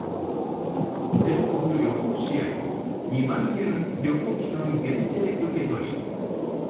全国旅行支援２万円旅行期間限定受け取り。